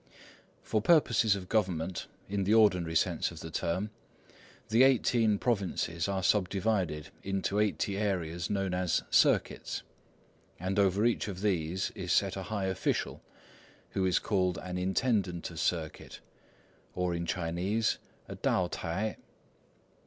For purposes of government, in the ordinary sense of the term, the 18 provinces are subdivided into 80 areas known as "circuits," and over each of these is set a high official, who is called an intendant of circuit, or in Chinese a Tao t'ai.